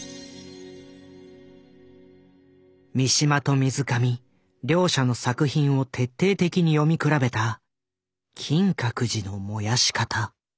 三島と水上両者の作品を徹底的に読み比べた「金閣寺の燃やし方」。